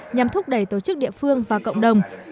nhằm thúc đẩy tổ chức địa phương và cộng đồng